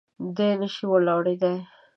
دی نه شي ولاړېدای.